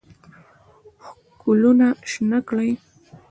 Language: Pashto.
ښکلونه شنه کړي